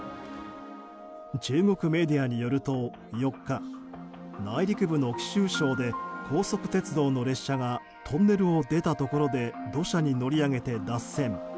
中国メディアによると４日内陸部の貴州省で高速鉄道の列車がトンネルを出たところで土砂に乗り上げて脱線。